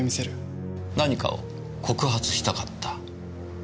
何かを告発したかった。